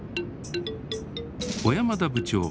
小山田部長